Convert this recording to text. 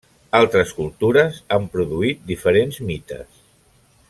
Altres cultures han produït diferents mites.